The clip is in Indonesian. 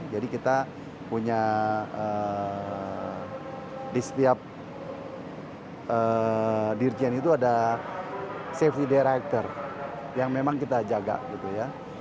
jadi kita punya di setiap dirjian itu ada safety director yang memang kita jaga gitu ya